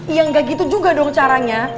iya nggak gitu juga dong caranya